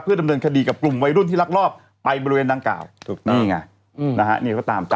เพื่อดำเนินคดีกับกลุ่มวัยรุ่นที่รักรอบไปบริเวณดังกล่าวนี่ไงนะฮะนี่เขาตามจับแล้ว